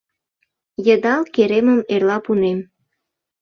Йыдал керемым эрла пунем.